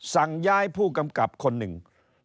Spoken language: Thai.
สั่งย้ายผู้กำกับคนหนึ่ง